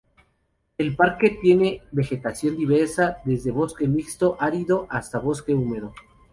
El parque tiene vegetación diversa, desde bosque mixto árido hasta bosque húmedo.